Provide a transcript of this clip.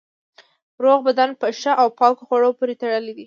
روغ بدن په ښه او پاکو خوړو پورې تړلی دی.